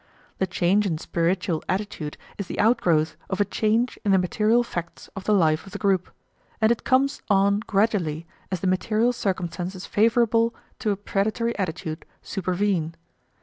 The change in spiritual attitude is the outgrowth of a change in the material facts of the life of the group, and it comes on gradually as the material circumstances favourable to a predatory attitude supervene.